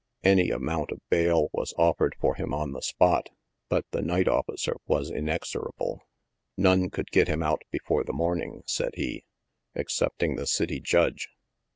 Any amount of bail was offered for him on the spot, but the night officer was inexorable. " None could get him out before the morning," said he, "excepting the City Judge."